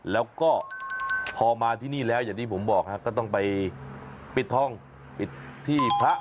แล้วก็พอมาที่นี่แล้วอย่างที่ผมบอกก็ต้องไปปิดทองปิดที่พระ